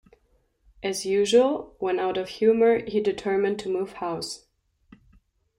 As usual, when out of humour, he determined to move house.